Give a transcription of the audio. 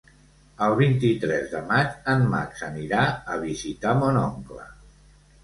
El vint-i-tres de maig en Max anirà a visitar mon oncle.